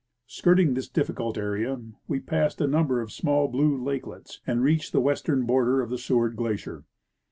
Skirting this difficult area, Ave passed a number of small blue lakelets and reached the western border of the ScAA^ard glacier.